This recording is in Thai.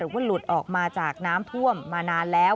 ว่าหลุดออกมาจากน้ำท่วมมานานแล้ว